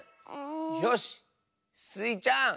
よしスイちゃん。